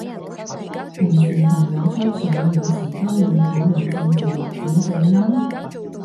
平時朋友吹水，有時都會討論正字或者正音？